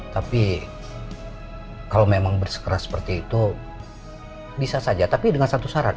tapi kalau memang bersekeras seperti itu bisa saja tapi dengan satu syarat